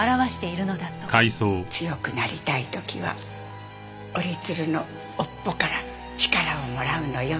強くなりたい時は折り鶴の尾っぽから力をもらうのよ。